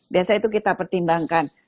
biasa itu kita pertimbangkan